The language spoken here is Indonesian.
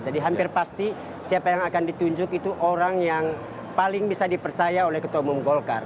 jadi hampir pasti siapa yang akan ditunjuk itu orang yang paling bisa dipercaya oleh ketua umum golkar